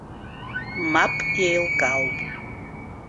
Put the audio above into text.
Мап, иеилкаауп.